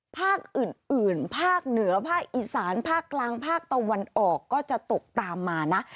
ภาคอื่นภาคเหนือภาคอีสานภาคกลางภาคตะวันออกก็จะตกตามมานะ